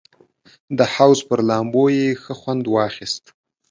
د حوض پر لامبو یې ښه خوند واخیست.